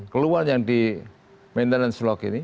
keluhan yang di maintenance log ini